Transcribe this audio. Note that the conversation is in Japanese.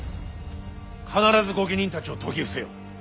必ず御家人たちを説き伏せよ。